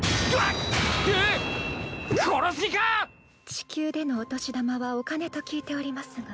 地球でのお年玉はお金と聞いておりますが。